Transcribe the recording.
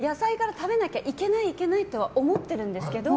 野菜から食べなきゃいけないいけないとは思ってるんですけど